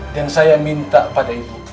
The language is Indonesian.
dan saya minta pada ibu